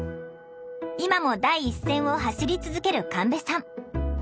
今も第一線を走り続ける神戸さん。